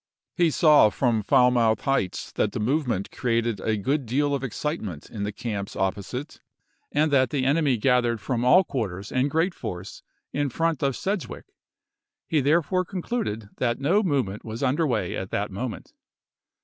He saw p. 12. "' from Falmouth Heights that the movement cre ated a good deal of excitement in the camps op posite, and that the enemy gathered from all quarters in great force in front of Sedgwick ; he therefore concluded that no movement was under way at that moment.